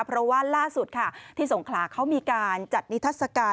เพราะว่าล่าสุดค่ะที่สงขลาเขามีการจัดนิทัศกาล